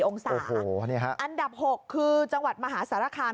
องศาอันดับ๖คือจังหวัดมหาสารคาม